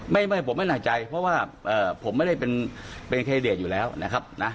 ไม่ผมไม่หนักใจเพราะว่าผมไม่ได้เป็นเครดิตอยู่แล้วนะครับนะ